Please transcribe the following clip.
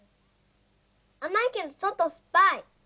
あまいけどちょっとすっぱい。